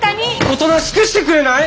おとなしくしてくれない！？